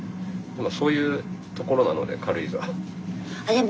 そういうところなので軽井沢。